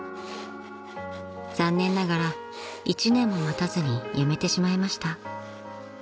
［残念ながら１年も持たずに辞めてしまいました］